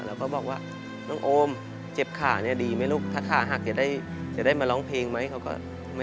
เราก็บอกว่าน้องโอมเจ็บขาดีไหมลูกถ้าขาหักจะได้มาร้องเพลงไหม